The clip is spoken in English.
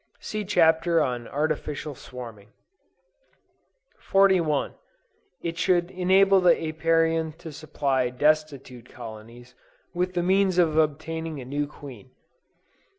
(See Chapter on Artificial Swarming.) 41. It should enable the Apiarian to supply destitute colonies with the means of obtaining a new queen.